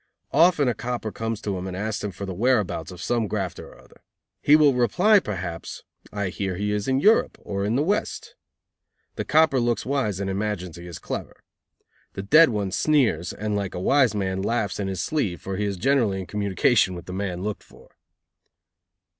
Often a copper comes to him and asks for the whereabouts of some grafter or other. He will reply, perhaps: "I hear he is in Europe, or in the West." The copper looks wise and imagines he is clever. The "dead" one sneers, and, like a wise man, laughs in his sleeve; for he is generally in communication with the man looked for.